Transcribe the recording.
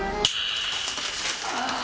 ああ！